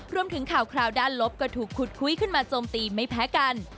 รวมถึงข่าวคราวด้านลบก็ถูกขุดคุยขึ้นมาโจมตีไม่แพ้กัน